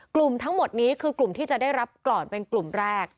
กลุ่มทั้งหมดนี้คือกลุ่มที่จะได้รับก่อนเป็นกลุ่มแรก